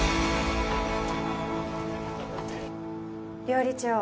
料理長